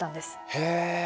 へえ。